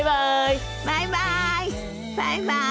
バイバイ！